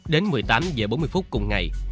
đến một mươi tám h bốn mươi phút cùng ngày